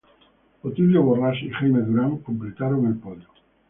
Otilio Borrás y Jaime Durán completaron el podio.